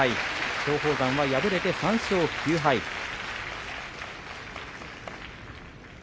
松鳳山は３勝９敗です。